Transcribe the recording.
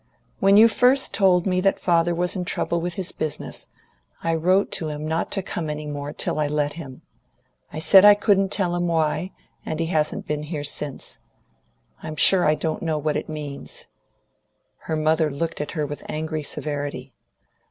When you first told me that father was in trouble with his business, I wrote to him not to come any more till I let him. I said I couldn't tell him why, and he hasn't been here since. I'm sure I don't know what it means." Her mother looked at her with angry severity.